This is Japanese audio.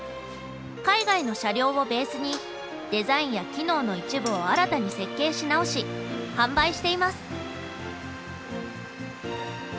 海外の車両をベースにデザインや機能の一部を新たに設計し直し販売しています。